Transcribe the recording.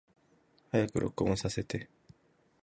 早く録音させて